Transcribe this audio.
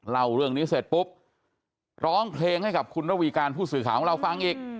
เล่าเรื่องนี้เสร็จปุ๊บร้องเพลงให้กับคุณระวีการผู้สื่อข่าวของเราฟังอีก